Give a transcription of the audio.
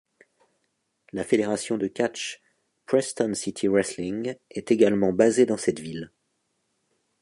La fédération de catch Preston City Wrestling est également basée dans cette ville.